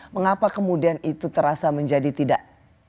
mengapa kemudian itu terasa menjadi tidak